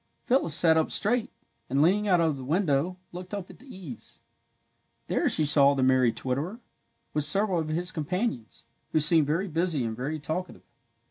Phyllis sat up straight, and, leaning out of the window, looked up at the eaves. There she saw the merry twitterer, with several of his companions, who seemed very busy and very talkative.